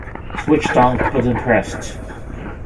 Switch down, button pressed.